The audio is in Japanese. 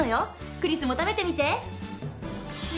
クリスも食べてみて。